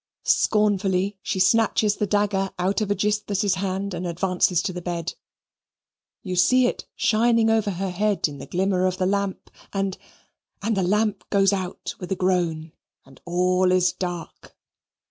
Scornfully she snatches the dagger out of Aegisthus's hand and advances to the bed. You see it shining over her head in the glimmer of the lamp, and and the lamp goes out, with a groan, and all is dark.